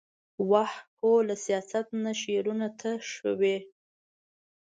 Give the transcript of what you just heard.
واه ! هو له سياست نه شعرونو ته شوې ،